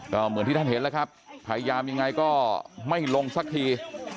ก็เหมือนที่ท่านเห็นแล้วครับพยายามยังไงก็ไม่ลงสักที